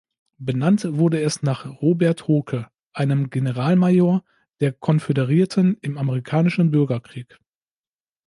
Benannt wurde es nach Robert Hoke, einem Generalmajor der Konföderierten im Amerikanischen Bürgerkrieg.